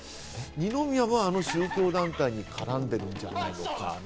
二宮はあの宗教団体に絡んでるんじゃないか。